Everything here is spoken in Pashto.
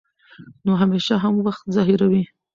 نو همېشه هم وخت ظاهروي